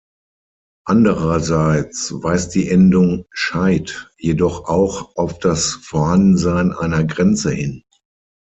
Andererseits weist die Endung „-scheid“ jedoch auch auf das Vorhandensein einer Grenze hin.